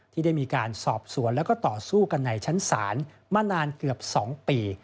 ที่ได้มีการสอบสวนแล้วก็ต่อสู้กันในชั้นศาลมานานเกือบ๒ปี